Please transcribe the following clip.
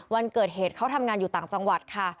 วันเกิดเหตุเขาทำงานอยู่ต่างจังหวัดค่ะ